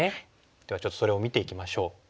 ではちょっとそれを見ていきましょう。